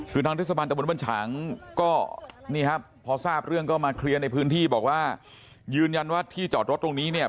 คือทางเทศบาลตะบนบ้านฉางก็นี่ครับพอทราบเรื่องก็มาเคลียร์ในพื้นที่บอกว่ายืนยันว่าที่จอดรถตรงนี้เนี่ย